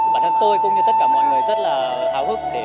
bản thân tôi cũng như tất cả mọi người rất là